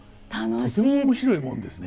とても面白いもんですね。